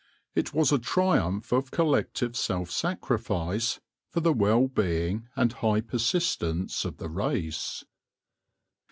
It was a triumph of collective self sacrifice for the well being and high persistence of the race.